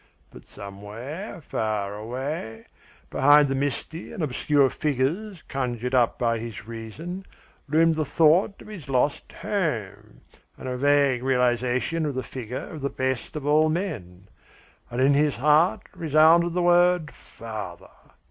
But somewhere, far away, behind the misty and obscure figures conjured up by his reason, loomed the thought of his lost home, and a vague realisation of the figure of the best of all men; and in his heart resounded the word 'father.'